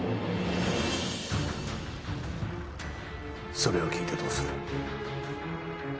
それを聞いてどうする？